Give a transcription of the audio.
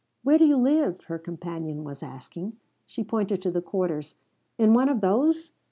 "Where do you live?" her companion was asking. She pointed to the quarters. "In one of those?"